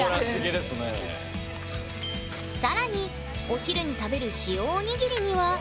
さらにお昼に食べる「塩」おにぎりには。